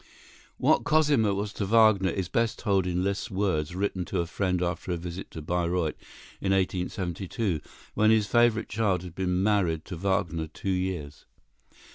What Cosima was to Wagner is best told in Liszt's words, written to a friend after a visit to Bayreuth, in 1872, when his favorite child had been married to Wagner two years.